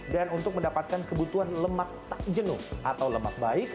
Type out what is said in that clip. dan untuk mendapatkan kebutuhan lemak tak jenuh atau lemak baik